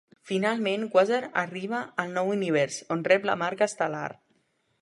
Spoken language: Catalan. Finalment, Quasar arriba al Nou Univers, on rep la Marca Estel·lar.